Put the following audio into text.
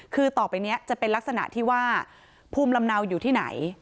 คือต่อไปนี้จะเป็นลักษณะที่ว่าภูมิลำเนาอยู่ที่ไหน